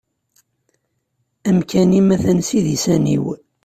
Amkan-im atan s idisan-iw.